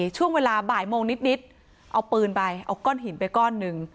ช่วงเวลาบ่ายโมงนิดเอาปืนไปเอาก้อนหินไปก้อนหนึ่ง